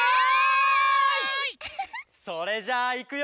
「それじゃあいくよ」